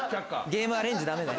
ゲームアレンジ駄目ね。